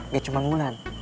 gak cuman wulan